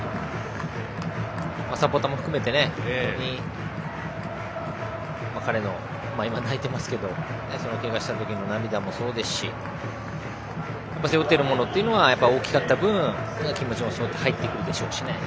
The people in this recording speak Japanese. サポーターも含めて本当に彼の今、泣いてますけどけがしたときの涙もそうですし背負っているものが大きかった分気持ちも入ってくるでしょうしね。